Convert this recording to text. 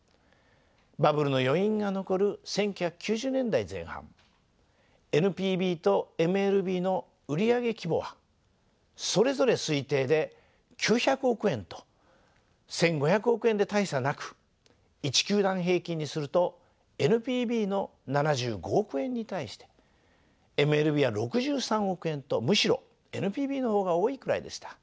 バブルの余韻が残る１９９０年代前半ＮＰＢとＭＬＢの売り上げ規模はそれぞれ推定で９００億円と１，５００億円で大差なく１球団平均にするとＮＰＢの７５億円に対してＭＬＢは６３億円とむしろＮＰＢの方が多いくらいでした。